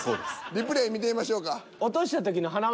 リプレイ見てみましょうか。